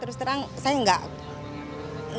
taruh diri sendiri